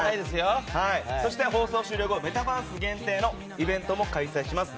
放送終了後メタバース限定のイベントも開催します。